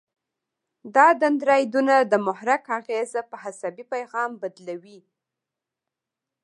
دا دندرایدونه د محرک اغیزه په عصبي پیغام بدلوي.